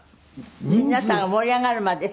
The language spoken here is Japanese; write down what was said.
皆さんが盛り上がるまで。